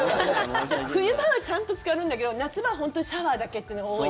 冬場はちゃんとつかるんだけど夏場は本当にシャワーだけっていうのが多い。